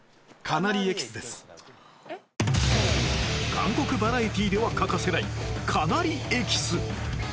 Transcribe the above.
韓国バラエティでは欠かせないカナリエキス